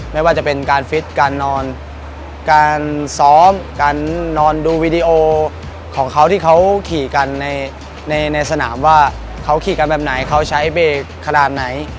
ไม่ว่าจะเป็นการฟิตการนอนการซ้อมการนอนดูวีดีโอของเขาที่เขาขี่กันในในสนามว่าเขาขี่กันแบบไหนเขาใช้เบรกขนาดไหน